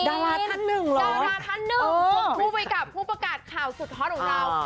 ท่านหนึ่งเหรอดาราท่านหนึ่งควบคู่ไปกับผู้ประกาศข่าวสุดฮอตของเรา